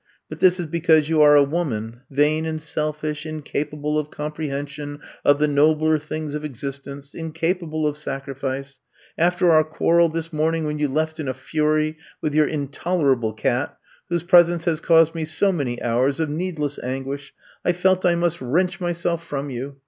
But this is because you are a woman, vain and selfish, incapa ble of comprehension of the nobler things of existence — ^incapable of sacrifice. After our quarrel this morning, when you left in a fury, with your intolerable oat — ^whose presence has caused me so many hours of needless anguish— I felt I must wrench my 186 I'VE COMB TO STAY self from you.